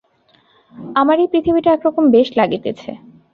আমার এই পৃথিবীটা একরকম বেশ লাগিতেছে।